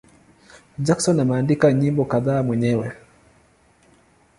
Jackson ameandika nyimbo kadhaa mwenyewe.